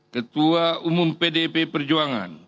ketua umum pdp perjuangan